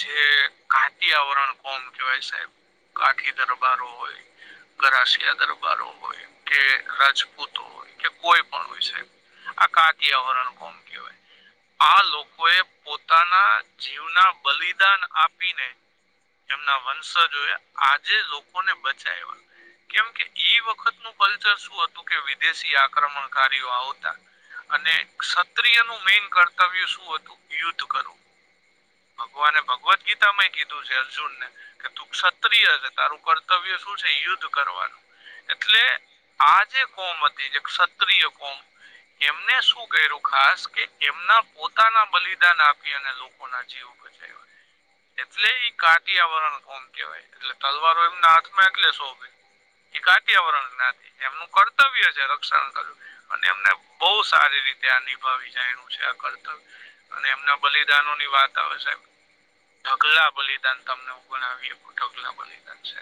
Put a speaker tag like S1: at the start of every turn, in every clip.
S1: જે કાટી આવરણ કોમ કેવાય સાહેબ કાઠી દરબારો હોય ઘરાશિયા દરબારો હોય કે રાજપૂતો હોય કે કોઈ પણ વિષય આ કાતીયાવરણ કોમ કેવાય આ લોકો એ પોતાના જીવના બલિદાન આપીને એમના વંશ જોએ આજે લોકોને બચાવવા કેમ કે એ વખતનું કલ્ચર શું હતું કે વિદેશી આક્રમણ કારીઓ આવતા અને ક્ષત્રિય નું મેન કર્તવ્ય શું હતું યુદ્ધ કરવું ભગવાને ભગવદ્ ગીતામાંય કીધું છે અર્જુન ને કે તું ક્ષત્રિય છે તારું કર્તવ્ય શું છે યુદ્ધ કરવાનું એટલે આ જે કોમ હતી જે ક્ષત્રિય કોમ એમને શું કર્યું ખાસ કે એમના પોતાના બલિદાન આપી અને લોકો ના જીવ બચાવ્યા એટલે કાતિયાવરણ કોમ કહેવાય એટલે તલવારો એમના હાથમાં એટલે શોભે એ કાત્યાવરણ નાતી એમનું કર્તવ્ય છે રક્ષણ કર્યું અને એમને બહુ સારી રીતે આ નિભાવી જાય એ છે આ કર્તવ્ય અને એમના બલિદાનો ની વાત આવે સાહેબ ઢગલા બલિદાન તમનેણ આવીએ ઢગલા બલિદાન છે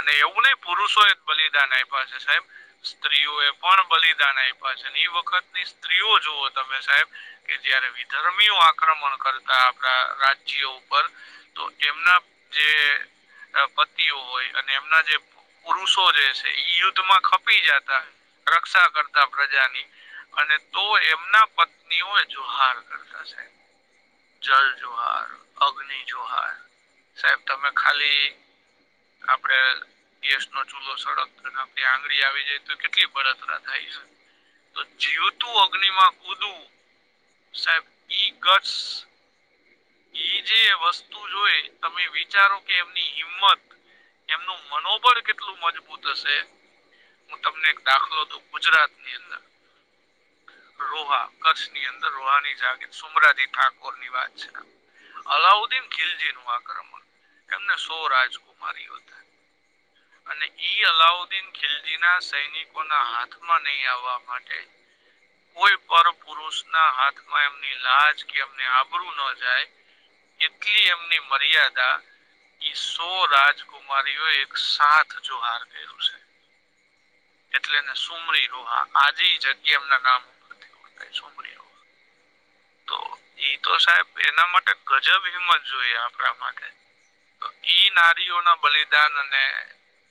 S1: અને એવું નહી પુરુષો જ બલિદાન આપ્યા છે સાહેબ સ્ત્રીઓ એ પણ બલિદાન આપ્યા છે ને એ વખતની સ્ત્રીઓ જુઓ તમે સાહેબ કે જ્યારે વિઘર્મીઓ આક્રમણ કરતા રા રાજ્ય ઉપર તો એમના જે પતિઓ હોય અને એમના જે પુરુષો જે છે યુદ્ધ માં ખપી જતા રક્ષા કરતા પ્રજાની અને તો એમના પત્નીઓ જોહાર કરતા છે જલ જોહાર અગ્નિ જોહાર સાહેબ તમે ખાલી આપડે ગસ નો ચૂલો સળક ને આપડી આંગળી આવી જાય તો કેટલી બળત્રા થાય છે તો જીવતું અગ્નિ માં કુદું સાહેબ ઈ ગટ જે વસ્તુ જોઈ તમે વિચારો કે એમની હિંમત એમનું મનોબળ કેટલું મજબૂત હશે હું તમને એક દાખલો દઉ ગુજરાત ની અંદર રોહા કચ્છની અંદર રોહાની જાગીર સુમરાજી ઠાકોર ની વાત છે અલાઉદ્દીન ખિલજી નું આક્રમણ એમને સો રાજકુમારી હતા
S2: [inaudible]
S1: અને ઈ અલાઉદ્દીન ખિલજી ના સૈનિકોના હાથમાં નહી આવવા માટે કોઈ પર પુરુષ ના હાથમાં એમની લાજ કે એમને આબરું ના જાય કેટલી એમની મર્યાદા ઈ સો રાજકુમારીઓ એક સાથ જહાર કર્યું છે એટલેને સુમરીનુ, હા આજ જગ્યા એમના નામ ઓળખાય
S2: [inaudible]
S1: સુમરી રોહા
S2: [unintelligible]
S1: તો એઈ તો સાહેબ એના માટે ગજબ હિંમત જોઈએ આપણા માટે ઈ નારીઓના બલિદાન અને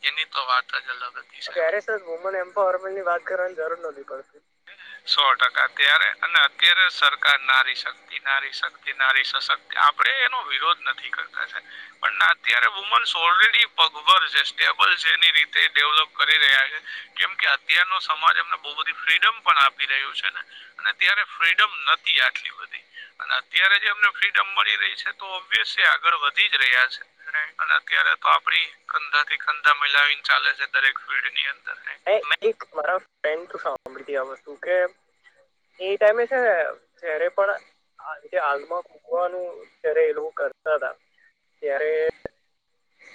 S1: એની તો વાત જ અલગ જ
S2: ત્યારે સર વુમન એમ્પાવરમેન્ટની વાત કરવાની જરૂર નહોતી પડતી.
S1: સો ટકા ત્યારે અને અત્યારે સરકાર નારી શક્તિ, નારી શક્તિ, નારી સશક્તિ આપણેે એનો વિરોધ નથી કરતા, પણ અત્યારે વુમન્સ ઓલરેડી પગભર છે, સ્ટેબલ છે, એની રીતે ડેવલપ કરી રહ્યા છે. કેમ કે અત્યારનો સમાજ એમને બહુ બધી ફ્રીડમ પણ આપી રહ્યું છે ને અને ત્યારે ફ્રીડમ નતી આટલી બધી અને અત્યારે જે અમને ફ્રીડમ મળી રહી છે તો ઓબ્સ આગળ વધી જ રહ્યા છે. અને અત્યારે તો આપડી કંધાથી કંધા મિલાવી ને ચાલે છે દરેક ફિલ્ડની અંદર
S2: એક મારા ફ્રેન્ડ સાંભળીતી આ વસ્તુ કે, એ ટાઈમે છે, જ્યારે પણ આ જે આગમાં કુવાનું જ્યારે એ લોકો કરતા હતા ત્યારે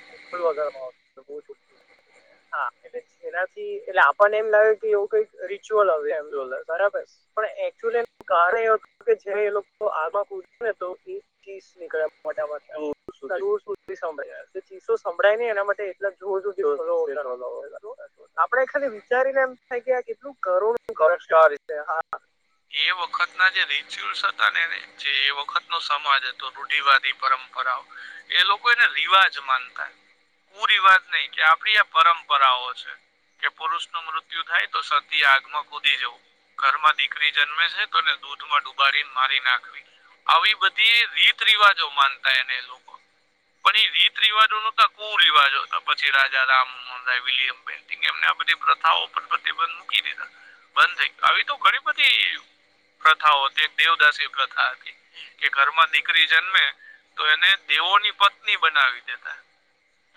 S2: [unintelligible] હા એટલે એનાથી એટલે આપણને એમ લાગે કે એવું કઈક રિચ્યુઅલ આવ એમ જો બરાબર પણ એકચુઅલી એનું કારણ એવું હતું કે જે એ લોકો આગમાં પૂછ્યું ને તો એ ચીસ નીકળ્યા મોટા ભાગ [inaudible] ચીસો સંભળાયને એના માટે એટલા જોર દિવસ આપડે છેને વિચારીને એમ થાય કે આ કેટલું કરોડચ છે હા
S1: એ વખતના જે રિચ્યુઅલ્સ હતાને જે એ વખતનો સમાજ હતો રૂઢિવાદી, પરંપરા, એ લોકો એને રિવાજ માનતા કુરિવાજ નહી કે આપડી આ પરંપરાઓ છે. કે પુરુષનું મૃત્યુ થાય તો સતી આગમાં કૂદી જવું, ઘરમાં દીકરી જન્મે છે, તો એને દૂધમાં ડુબારીને મારી નાખવી. આવી બધી રીત રિવાજો માનતા એને એ લોકો. પણ એ રીત રિવાજો નતા, કુરિવાજો, પછી રાજા રામ લિયમ પે એમ આ બધી પ્રથાઓ પર પ્રતિબંધ મૂકી દીધા. બંધ થઈ આવી તો ઘણી બધી પ્રથાઓ હતી, દેવદાસી પ્રથા હતી, કે ઘરમાં દીકરી જન્મે તો એને દેવોની પત્ની બનાવી દેતા.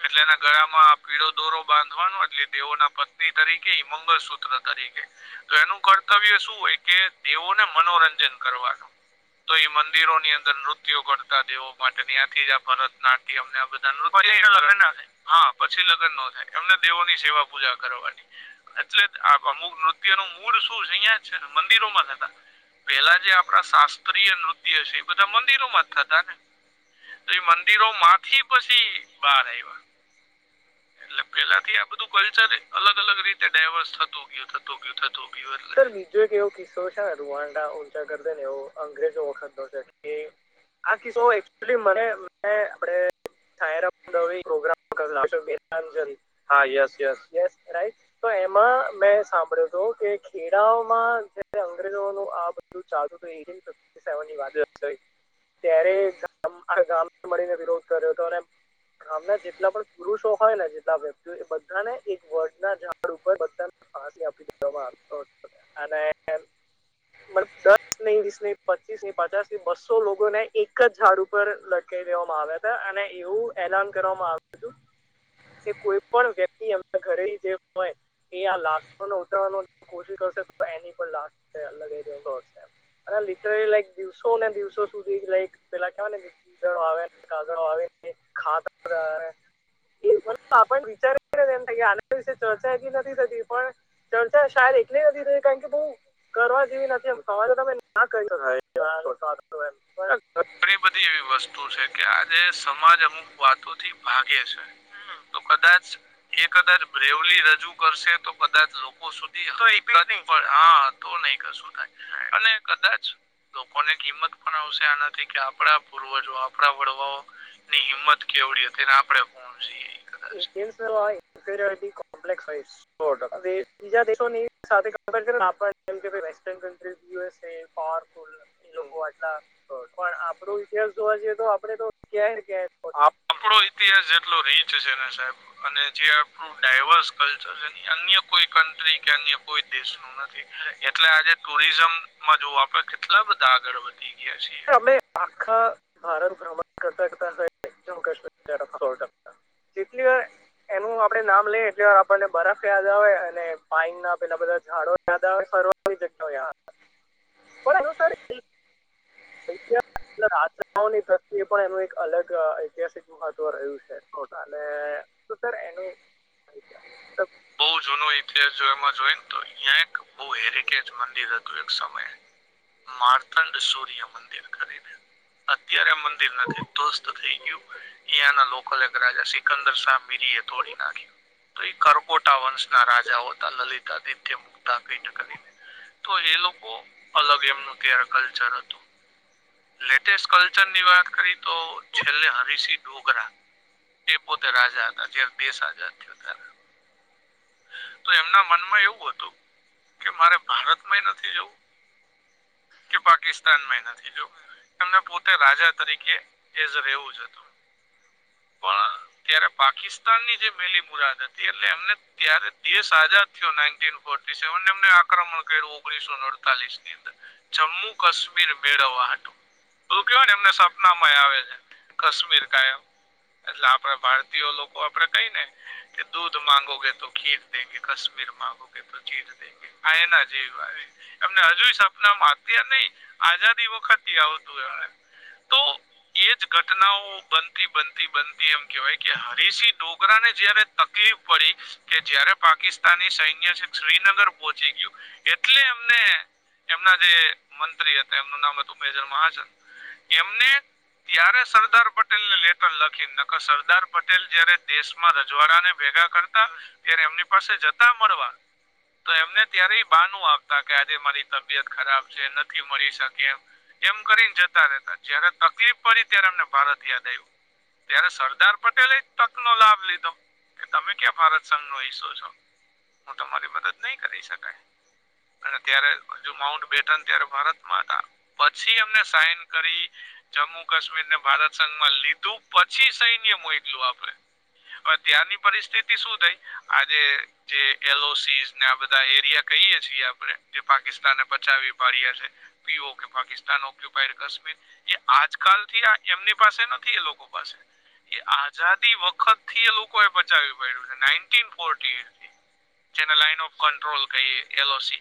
S1: એટલે એના ગળામાં આ પીળો દોરો બાંધવાનો એટલે દેઓ ના પત્ની તરીકે ઈ મંગલસુત્ર તરીકે તો એનું કર્તવ્ય શું હોય કે દેવોને મનોરંજન કરવાનું. તો એ મંદિરોની અંદર નૃત્ય કરતા દેવો માટે ત્યાંથી જ આ ભરતનાટ્ય અમને બધા લે [unintelligible] હા પછી લગ્ન ન થાય એમને દેવો ની સેવા, પૂજા કરવાની. એટલે આ અમુક નૃત્ય નું મૂળ શું છે અહિયાં છે મંદિરોમાં થતા પેલા જે આપડા શાસ્ત્રીય નૃત્ય છે એ બધા મંદિરોમાં જ થતા ને. તો એ મંદિરોમાંથી પછી બાર આવ્યા. પેલાથી આ બધું કલ્ચરને અલગ અલગ રીતે ડાયવર્સ થતું ગયું થતું, ગયું થતું, ગયું એ.
S2: સર બીજો કે કિસો છે, રૂંવાડા ઊંચા કરી દેને એવો અંગ્રેજો વખત છેકી આ કિસ્સોમા એકચ્યુલી મને મે આપડે [inaudible] હા યસ યસ યસ રાઈટ તો એમાં મેં સાંભળ્યું હતું કે ખેડાઓમાં જયારે અંગ્રેજોનું આ બધું ચાલતુ હતું એ સેવનટિન ત્યારે ગામ મળીને નથી વીરોધ કર્યો હતો અને ગામના જેટલા પણ પુરુષો હોય ને જેટલા વ્યક્તિ એ બધાને એક વર્ડના ઝાડ ઉપર બધા ફાસી આપી દેવામાં આવતી અને મ દસ નહીિ વીસ નહ પચીસ નહી પચાસ બસ્સો લોકો ને એક જ ઝાડ ઉપર લટ કહી દેવામાં આવ્યા હતા અને એવું એલાન કરવામાં આવ્યું હતું. કે કોઈ પણ વ્યક્તિ એમના ઘરે જે હોય એ આ લાખો ઉતરવાનો કોશિશ કરશે તો એનની પણ લાસ્ટ અલગ અને લિટરલી લાઈક દિવસો ને દિવસો સુધી લાઈક પેલા કેવા ને ળો આવેને કાગળો આવે ખા એ આપ વિચાર એમ કે આના વિશે ચર્ચા એ નથી થતી પણ ચાલતા શ એટલે નથી થ કારણ કે બહુ કરવા જેવી નથી એમ સવારે તમે ના કરી
S1: ઘણી બધી એવી વસ્તુ છે કે આજે સમાજ અમુક વાતોથી ભાગે છે. તો કદાચ એ કદાચ બ્રેવલી રજૂ કરશે તો કદાચ લોકો સુધી હા તો નહી કરશ. અને કદાચ લોકોની કિંમત પણ આવશે આના કે આપણા પૂર્વજો આપણા વડવાઓ ની હિંમત કેવડી હતીને આપડે કોીએ.
S2: ન્ડયન લ મફીરયલિટી કોંપ્લેક્સ બીજા દેશોની સાથે કમ્પેર કર આપ જેમ કે વેસ્ટર્ન કન્ટ્રી યુસ એ પાર્ક આટલા પણ આપડો ઇતિહાસ જોવા જએ તો આપડે તો કે કે
S1: આપડો ઇતિહાસ જેટલો રીચ છે ને સાહેબ અને જે ડાયવર્સ કલ્ચર છે અન્ય કોઈ કન્ટ્રી કે અન્ય કોઈ દેશમાં એટલે આજે ટુરિઝમમાં જોવ આપણે કેટલા બધા આગળ વધી ગયા છીએ.
S2: અમે આખા ભારત ભ્રમણ કરતા કરતા જમ્મુ કશ્મીર કેટલી વાર એનું આપડે નામ લઈએ એટલે આપણને બરફ યાદ આવે અને પાઇ ના પેલા બધા ઝાડો યાદ આવે ફરવા કોઈ દક [inaudible] રાજની દષ્ટ પણ એનું એક અલગ ઐતિહાસિક મહત્વ રહ્યું છે અને. શું સર એનું. તો
S1: બહ જૂનો ઇતિહાસ જો એમાં જોય ને તો અહં એક બહ હેરિટેજ મંદિર હતું એક સમયે. માર્તંડ સૂર્ય મંદિર કરીને. અત્યારે મંદિર નથી ધ્વસ્ત થઈ ગયું એના લોકો રાજા સિકંદર સા મિરી એ તોોડી નાખ્યો તો એ કરકોટ વંશ ના રાજાઓ હતા લલિતા આદિત્ય મુગ્ધા ક તો એ લોકો અલગ એમનું તાર કલ્ચર હતું. લેટેસ્ટ કલ્ચર ની વાત કરી તો છેલ્લે હરિસિંહ ઢોગરા. તે પોતે રાજા હતા જ્યારે દેશ આઝાદ થયો ત. તો એમના મનમાં એવું હતું કે મારે ભારતમાંય નથી જવું. કે પાકિસ્તાનમાં નથી જો. એમને પોતે રાજા તરીકે એ જ રહેવું જ હતું. પણ ત્યારે પાકિસ્તાનની જે મેલી મુરાદ હતી એટલે એમને. ત્યારે દેશ આઝાદ થયો સ એમ આક્રમણ કર્યું ઓગણીસો અડતાલીસ નીંદ. જમ્મુ કાશ્મીર મેળવવા હતું. બું કવા ને એમને સપના માં આવે છે કાશ્મીર કાયમ. એટલે આપડા ભારતીય લોકો આપડે કઈ ને કે દૂધ માંગો કે. તો ખીર દેગે કશમીર મામાંગો કે તો ચીર દેગે આય નાજ વા. એમને હજુ સપના માં અત્યાર નહ આઝાદી વખતે આવતું એ.
S2: [inaudible]
S1: એજ ઘટનાઓ. બનતી બનતી બનતી એમ કેવાય કે હરિશિંહ ઠોકરા ને જયારે તકલીફ પડી. કે જયારે પાકિસ્તાની સૈન્ય છે શ્રીનગર પહોચી ગયું એટલે એમને એમના જે મંત્રી હતા એમનું નામ હતુંર મહાજન એમને ત્યારે સરદાર પટેલ ને લેટર લખી નખ સરદાર પટેલ જયારે દેશમાં રજવાડા ને ભેગા કર કરતા ત્યારે એમની પાસે જતા મળવા તો એમને ત્યારે બાનું આપતા કે આજે મારી તબિયત ખરાબ છે નથી મળી શકે એમ એમ કરીને જતા રહેતા જયારે તકલીફ પડી ત્યારે અમને ભારત યાદ આવ્યું ત્યારે સરદાર પટેલે તક નો લાભ લીધો કે તમે ક્યાં ફરજ હિસ્સો છ હું તમારી મદદ નહી કરી શકાય અને ત્યારે હજુ માઉન્ટ બેટન ત્યારે ભારતમાં હતા પછી એમને સાઈન કરી જમ્મુ કાશ્મીર ને ભારત સંઘમાં લીધું પછી સૈન્ય મોટલું આપડે ત્યંની પરિસ્થિતિ શું થઈ આજે જે એલ ઓસી ને આ બધા એરિયા કહીય છીએ આપણે જે પાકિસ્તાનને પચાવી પાડ્યા છે પી ઓકે પાકસ્તાન ઓકે કશમીર એ આજકાલ થી આ એમની પાસે નથી એ લોકો પાસે એ આઝાદી વખત થી એ લોકો એ પચાવી પડ્યું છે ફ જેને લાઈન ઓફ કંટ્રોલ કહી એલ ઓસી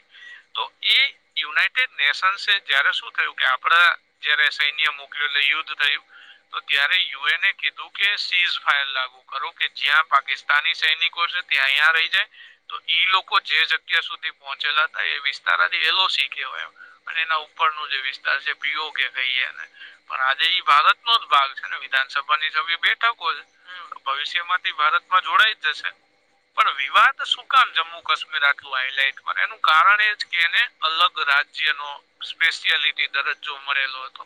S1: તો એ યુનાઈટેડ નેશન્ જયારે શું થયું કે આપડા જયારે સૈન્ય મોકલ્યું એટલે યુદ્ધ થયું તો ત્યારે યુએન કીધું કે સીઝ ફાયર લાગુ કરો કે જ્યાં પાકિસ્તાની સૈનિક ત્યાં અહીં રહી જાય તો ઈ લોકો જે જગ્યા સુધી પહોંચેલા હતા એ વિસ્તારથી એલોસીી કેહેવાય એમ અને એના ઉપર ન જે વિસ્તાર છે પીયો કે કહી એ ને પણ આજે ઈ ભારતનોો જ ભાગ છે ને વિધાનસભાની સ બેઠકો છે ભવિષ્ય માંથી ભારત માં જોડાઈ જ જશે પણ વિવાદ શું કામ જમ્મુ કાશ્મીર આટલું હાઈલાઈટ એનું કારણ એજ કે એને અલગ રાજ્ય નો સ્પેશિયાલિટી દરજ્જો મળેલો હતો